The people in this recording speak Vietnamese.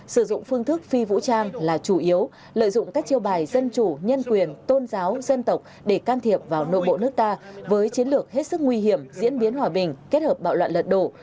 sử dụng phương thức phi vũ trang là chủ yếu lợi dụng các chiêu bài dân chủ nhân quyền tôn giáo dân tộc để can thiệp vào nội bộ nước ta với chiến lược hết sức nguy hiểm diễn biến hòa bình kết hợp bạo loạn lật đổ